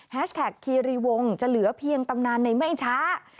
แท็กคีรีวงจะเหลือเพียงตำนานในไม่ช้า